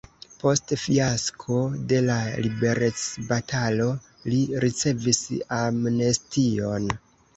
Post fiasko de la liberecbatalo li ricevis amnestion.